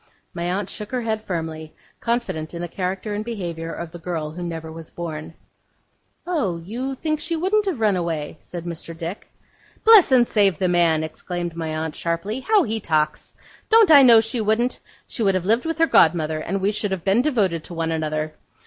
My aunt shook her head firmly, confident in the character and behaviour of the girl who never was born. 'Oh! you think she wouldn't have run away?' said Mr. Dick. 'Bless and save the man,' exclaimed my aunt, sharply, 'how he talks! Don't I know she wouldn't? She would have lived with her god mother, and we should have been devoted to one another.